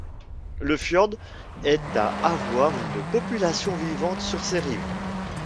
Le fjord est à avoir une population vivante sur ses rives.